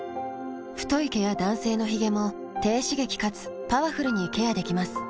太い毛や男性のヒゲも低刺激かつパワフルにケアできます。